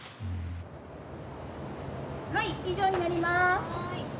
はい以上になります。